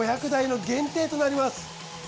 ５００台の限定となります。